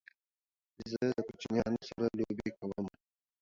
زه له ماشومانو سره لوبی کوم